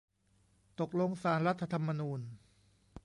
ตกลงศาลรัฐธรรมนูญ